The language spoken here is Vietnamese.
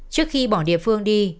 trước khi bỏ địa phương đi